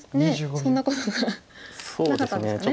そんなことはなかったですかね。